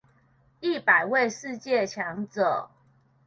一百位世界強者